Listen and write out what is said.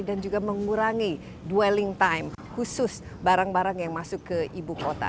dan juga mengurangi dwelling time khusus barang barang yang masuk ke ibu kota